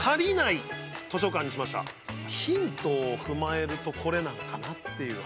ヒントを踏まえるとこれなんかなっていう。